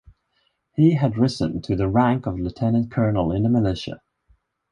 He had risen to the rank of lieutenant colonel in the militia.